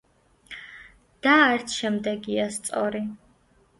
და არც შემდეგია სწორი.